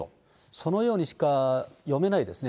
そのようにしか読めないですね。